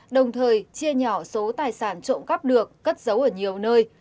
đồng thời chia nhỏ số tài sản trộm cắp được cất giấu ở nhiều nơi